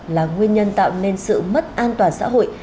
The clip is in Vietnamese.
là nguyên nhân tạo nên sự mất an toàn xã hội